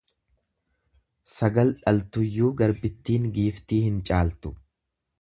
Sagal dhaltuyyuu garbittiin giiftii hin caaltu.